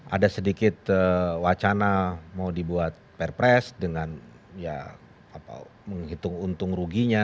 ada sedikit wacana mau dibuat perpres dengan ya apa menghitung untung ruginya